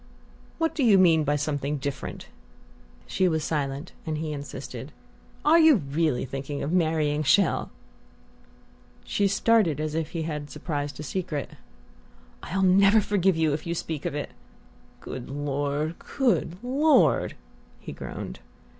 "What do you mean by 'something different'?" She was silent, and he insisted: "Are you really thinking of marrying Chelles?" She started as if he had surprised a secret. "I'll never forgive you if you speak of it " "Good Lord! Good Lord!" he groaned.